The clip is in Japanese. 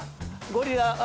ゴリラ。